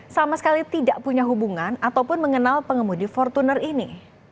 sama sekali tidak punya hubungan ataupun mengenal pengemudi fortuner ini